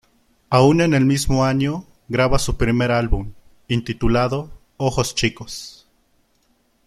Aún en el mismo año, graba su primer álbum, intitulado "Ojos Chicos".